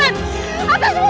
atas perbuatan yang lo lakuin